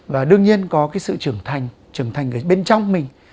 và đương nhiên có cái sự trưởng thành trưởng thành ở bên trong mình